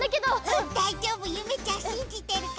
うんだいじょうぶゆめちゃんしんじてるから。